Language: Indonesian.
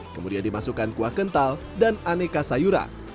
kemudian dimasukkan kuah kental dan aneka sayuran